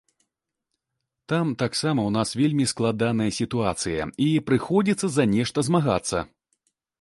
Там таксама ў нас вельмі складаная сітуацыя, і прыходзіцца за нешта змагацца.